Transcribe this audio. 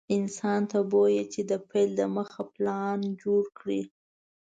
انسان ته بويه چې د پيل دمخه پلان جوړ کړي.